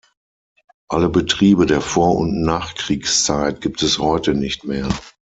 Alle Betriebe der Vor- und Nachkriegszeit gibt es heute nicht mehr.